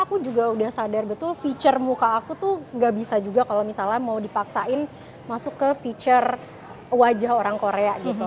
aku juga udah sadar betul feature muka aku tuh gak bisa juga kalau misalnya mau dipaksain masuk ke feature wajah orang korea gitu